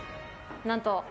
何と。